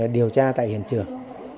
điều tra tại hiện trường